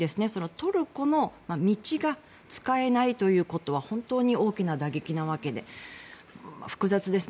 トルコの道が使えないということは本当に大きな打撃なわけで複雑ですね。